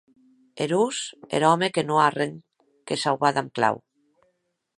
Erós er òme que non a arren que sauvar damb clau!